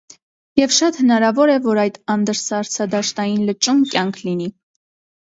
Եվ շատ հնարավոր է, որ այդ անդրսառցադաշտային լճում կյանք լինի։